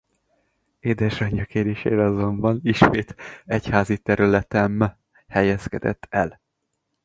Édesanyja kérésére azonban ismét egyházi területem helyezkedett el.